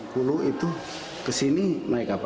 kulu itu ke sini naik apa